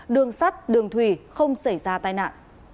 đường sắt đường thủy không xảy ra tai nạn